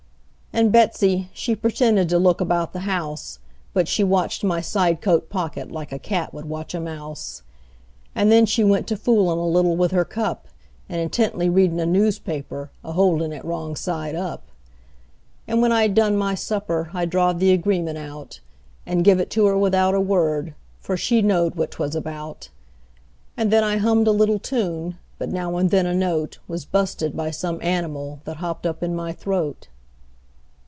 And Betsey, she pretended to look about the house, But she watched my side coat pocket like a cat would watch a mouse: And then she went to foolin' a little with her cup, And intently readin' a newspaper, a holdin' it wrong side up. "AND INTENTLY READIN' A NEWSPAPER, A HOLDIN' IT WRONG SIDE UP." And when I'd done my supper I drawed the agreement out, And give it to her without a word, for she knowed what 'twas about; And then I hummed a little tune, but now and then a note Was bu'sted by some animal that hopped up in my throat.